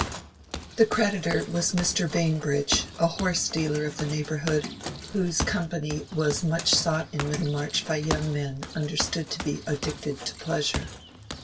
The creditor was Mr. Bambridge, a horse dealer of the neighborhood, whose company was much sought in Middlemarch by young men understood to be "addicted to pleasure."